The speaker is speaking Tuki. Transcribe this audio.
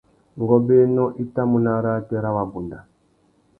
Ngôbēnô i tà mú nà arrātê râ wabunda .